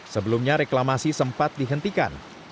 sebelumnya reklamasi sempat dihentikan